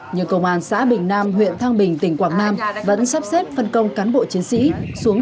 nhưng công an xã bình nam huyện thăng bình tỉnh quảng nam vẫn sắp xếp phân công cán bộ chiến sĩ xuống